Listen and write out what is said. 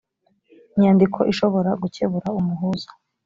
nyandiko ishobora gucyebura umuhuza